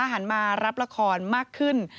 หันมารับละครมากขึ้น